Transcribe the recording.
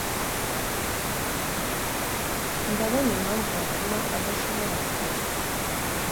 ntabona impamvu yatuma adashobora kugenda.